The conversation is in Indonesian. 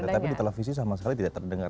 tetapi di televisi sama sekali tidak terdengar